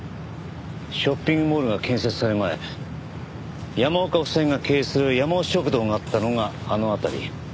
ショッピングモールが建設される前山岡夫妻が経営するやまお食堂があったのがあの辺り。